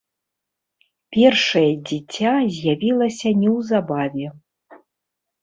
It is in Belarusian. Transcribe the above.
Першае дзіця з'явілася неўзабаве.